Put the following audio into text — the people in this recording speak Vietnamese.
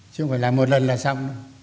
chứ không phải là một lần là xong